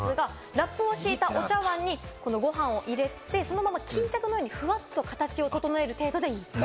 ラップを敷いたお茶わんに、ご飯を入れて巾着のようにフワっと形を整える程度でいい。